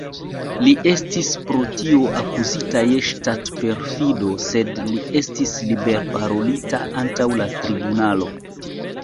Li estis pro tio akuzita je ŝtat-perfido, sed li estis liber-parolita antaŭ la tribunalo.